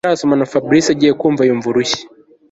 Batarasomana FABRIC agiye kumva yumva urushyi